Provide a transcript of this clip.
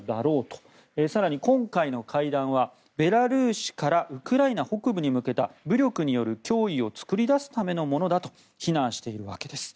そして、今回の会談はベラルーシからウクライナ北部に向けた武力による脅威を作り出すためのものだと非難しているわけです。